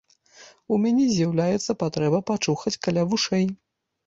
У мяне з'яўляецца патрэба пачухаць каля вушэй.